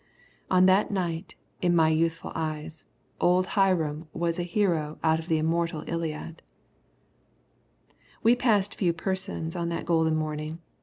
On that night, in my youthful eyes, old Hiram was a hero out of the immortal Iliad. We passed few persons on that golden morning.